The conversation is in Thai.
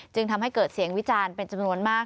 จึงทำให้เกิดเสียงวิจารณ์เป็นจำนวนมาก